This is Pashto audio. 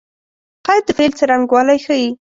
قید د فعل څرنګوالی ښيي.